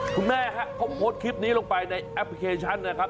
คุณแม่ฮะเขาโพสต์คลิปนี้ลงไปในแอปพลิเคชันนะครับ